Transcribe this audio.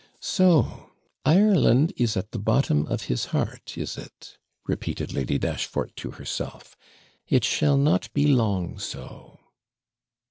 'So Ireland is at the bottom of his heart, is it?' repeated Lady Dashfort to herself; 'it shall not be long so.'